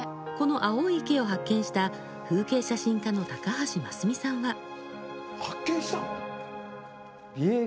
この青い池を発見した風景写真家の高橋真澄さんは。